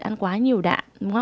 ăn quá nhiều đạm